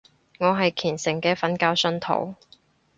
我係虔誠嘅瞓覺信徒